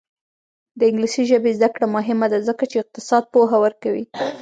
د انګلیسي ژبې زده کړه مهمه ده ځکه چې اقتصاد پوهه ورکوي.